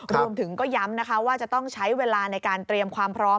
รวมถึงก็ย้ำนะคะว่าจะต้องใช้เวลาในการเตรียมความพร้อม